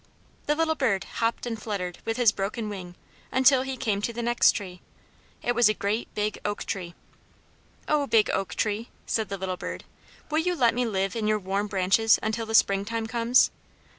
The little bird hopped and fluttered with his broken wing until he came to the next tree. It was a great, big oak tree. "O big oak tree," said the little bird, "will you let me live in your warm branches until the springtime comes?"